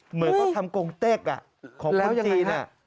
เหมือนเขาทำกงเต็กของคนจีน